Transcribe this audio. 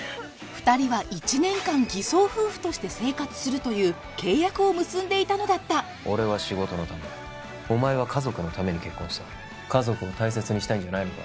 二人は１年間偽装夫婦として生活するという契約を結んでいたのだった俺は仕事のためお前は家族のために結婚した家族を大切にしたいんじゃないのか？